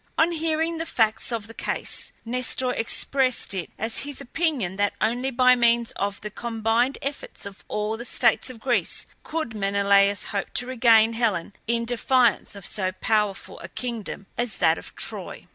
On hearing the facts of the case Nestor expressed it as his opinion that only by means of the combined efforts of all the states of Greece could Menelaus hope to regain Helen in defiance of so powerful a kingdom as that of Troy.